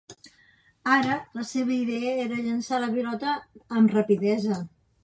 Ara la seva idea era llançar la pilota amb rapidesa.